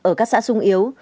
ở các xã sung yếu